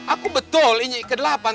aku betul ini ke delapan